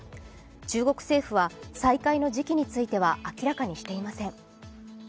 中国政府は再開の時期については明らかにしていません。